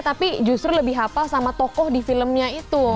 tapi justru lebih hafal sama tokoh di filmnya itu